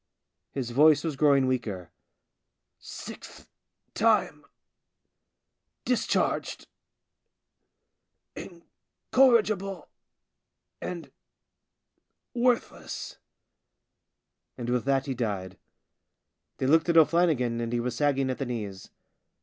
His voice was growing weaker. " Sixth time ... discharged ... incorrig ible and worthless." And with that he died. They looked at O'Flannigan, and he was sagging at the knees. "Bedad!